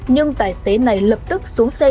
nhưng tài xế này lập tức xuống xe